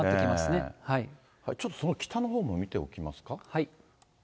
ちょっとその北のほうも見ておきますか。